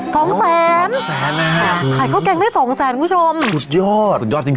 สองแสนแสนนะฮะขายข้าวแกงได้สองแสนคุณผู้ชมสุดยอดสุดยอดจริง